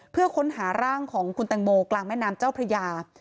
เพื่อค้นหาร่างของคุณแตงโมกลางแม่น้ำเจ้าพระยา